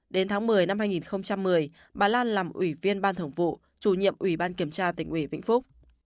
đến tháng một mươi năm hai nghìn một mươi bà lan làm ủy viên ban thưởng vụ chủ nhiệm ủy ban kiểm tra tỉnh ủy vĩnh phúc